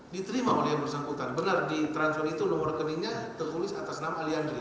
diterima oleh yang bersangkutan benar di transfer itu nomor rekeningnya tertulis atas nama alianri